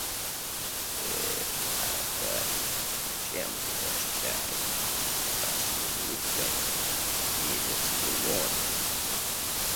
Ты, Аркадий, с чем пьешь чай, со сливками или с лимоном?